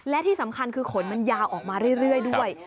และที่สำคัญคือขนมันยาวออกมาเรื่อยด้วย